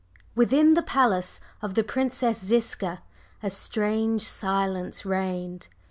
/Within/ the palace of the Princess Ziska a strange silence reigned.